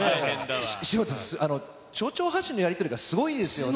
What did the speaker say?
柴田さん、丁々発止のやり取りがすごいですよね。